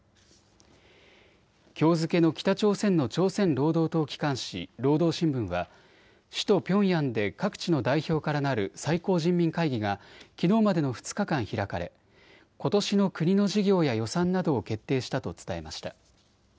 きょう付けの北朝鮮の朝鮮労働党機関紙、労働新聞は首都ピョンヤンで各地の代表からなる最高人民会議がきのうまでの２日間、開かれ、ことしの国の事業や予算などを決定したと伝えました。